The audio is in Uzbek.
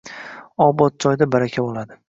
Obod joyda – baraka bo‘ladi